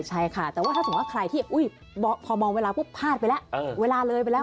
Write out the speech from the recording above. ใช่ค่ะแต่ว่าถ้าสมมุติว่าใครที่พอมองเวลาปุ๊บพลาดไปแล้วเวลาเลยไปแล้ว